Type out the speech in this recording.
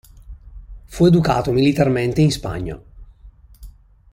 Fu educato militarmente in Spagna.